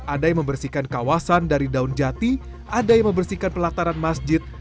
ada yang membersihkan kawasan dari daun jati ada yang membersihkan pelataran masjid